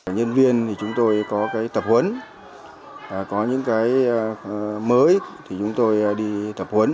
nhân viên thì chúng tôi có cái tập huấn có những cái mới thì chúng tôi đi tập huấn